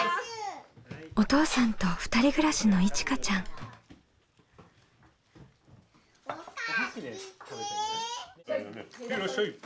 お父さんと２人暮らしのいちかちゃん。へいらっしゃい。